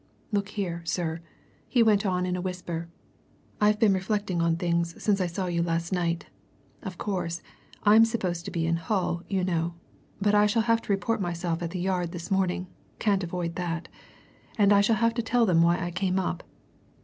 "Look here, sir," he went on in a whisper. "I've been reflecting on things since I saw you last night. Of course, I'm supposed to be in Hull, you know. But I shall have to report myself at the Yard this morning can't avoid that. And I shall have to tell them why I came up.